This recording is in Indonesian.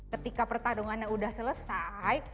ketika pertarungan yang sudah selesai